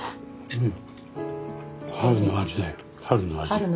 うん。